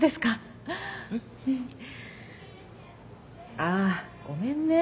あごめんね。